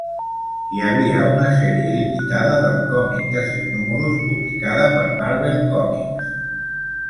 Hi havia una sèrie limitada del còmic de sis números publicada per Marvel Comics.